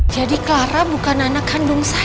jadi clara bukan anak kandung saya mas